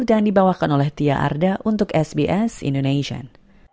dan dibawakan oleh tia arda untuk sbs indonesian